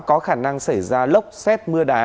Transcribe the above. có khả năng xảy ra lốc xét mưa đá